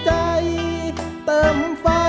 จริง